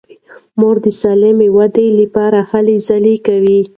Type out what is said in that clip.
مور د سالمې ودې لپاره هلې ځلې کوي.